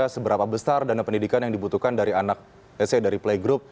seberapa besar dana pendidikan yang dibutuhkan dari playgroup